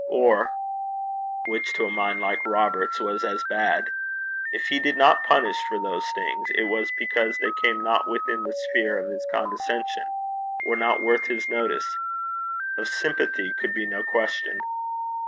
Or which to a mind like Robert's was as bad if he did not punish for these things, it was because they came not within the sphere of his condescension, were not worth his notice: of sympathy could be no question.